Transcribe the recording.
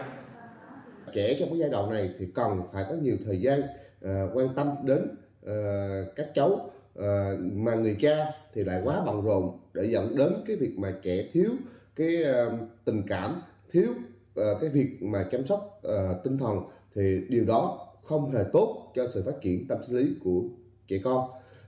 trong thời gian này trẻ trẻ trong giai đoạn này thì cần phải có nhiều thời gian quan tâm đến các cháu mà người cha thì lại quá bận rộn để dẫn đến cái việc mà trẻ thiếu cái tình cảm thiếu cái việc mà chăm sóc tinh thần thì điều đó không hề tốt cho sự phát triển tâm sinh lý của trẻ con